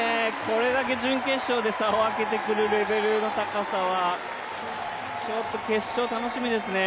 これだけ準決勝で差を開けてくるレベルの高さは、ちょっと決勝楽しみですね